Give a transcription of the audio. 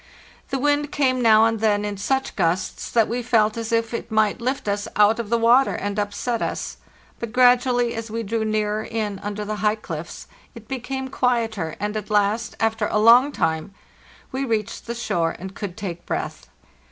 The wind came now and then in such gusts that we felt as if it might lft us out of the water and upset us; but gradually, as we drew nearer in under the high cliffs, it became quieter, and at last, after a long time, we reached the shore, and could take breath.